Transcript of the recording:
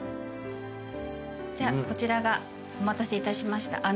こちらがお待たせいたしました。